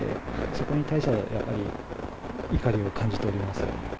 そこに対してはやっぱり怒りを感じております。